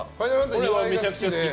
俺はめちゃくちゃ好きで。